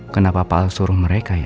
kenapa papa suruh mereka ya